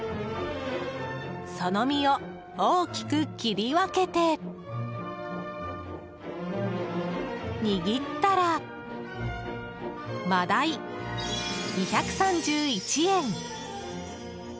その身を大きく切り分けて握ったら、マダイ２３１円。